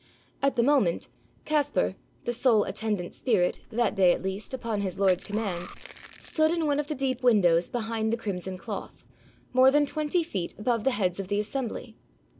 At the moment, Caspar, the sole attendant spirit, that day at least, upon his lord's commands, stood in one of the deep windows behind the crimson cloth, more than twenty feet above the heads of the assembly.